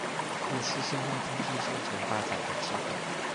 也是社會經濟向前發展的階段